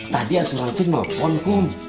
tadi asuransi popon kum